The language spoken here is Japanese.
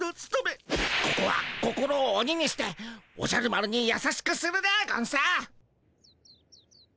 ここは心を鬼にしておじゃる丸に優しくするでゴンス。